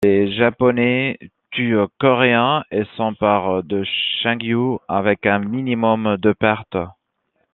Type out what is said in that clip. Les Japonais tuent Coréens et s'emparent de Chungju avec un minimum de pertes.